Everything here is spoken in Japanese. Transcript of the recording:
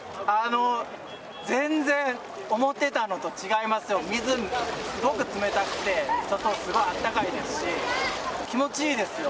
全然思ってたのと違いますよ、水、すごく冷たくて、外、すごく暖かいですし、気持ちいいですよ。